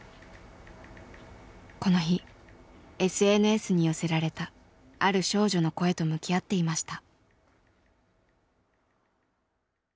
この日ＳＮＳに寄せられたある少女の声と向き合っていました。